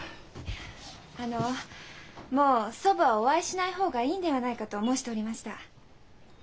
あのもう祖母は「お会いしない方がいいんではないか」と申しておりました。